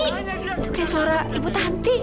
itu kayak suara ibu tanti